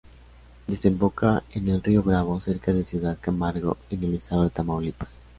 Desemboca en el río Bravo, cerca de Ciudad Camargo, en el estado de Tamaulipas.